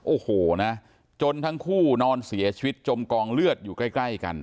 โอ้โหนะจนทั้งคู่นอนเสียชีวิตจมกองเลือดอยู่ใกล้กัน